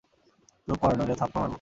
চুপ কর নইলে থাপ্পর মারব!